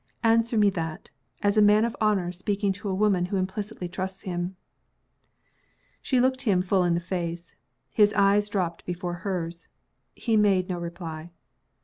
Answer me that, as a man of honor speaking to a woman who implicitly trusts him!" She looked him full in the face. His eyes dropped before hers he made no reply.